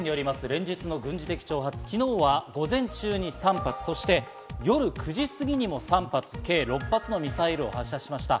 連日の軍事的挑発、昨日は午前中に３発、そして夜９時過ぎにも３発、計６発のミサイルを発射しました。